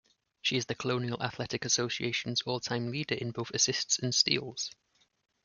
She is the Colonial Athletic Association's all-time leader in both assists and steals.